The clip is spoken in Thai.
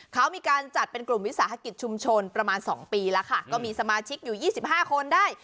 เขามีการจัดเป็นกลุ่มวิสาหกิจชุมชนประมาณ๒ปีแล้วค่ะก็มีสมาชิกอยู่๒๕คนได้